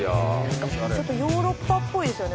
ちょっとヨーロッパっぽいですよね。